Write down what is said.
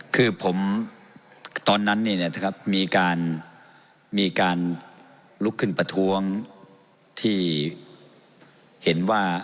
คือผมตอนนั้นเนี่ยนะครับมีการมีการลุกขึ้นประท้วงที่เห็นว่า